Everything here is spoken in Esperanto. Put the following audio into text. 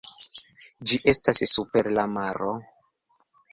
Ĝi estas super la maro.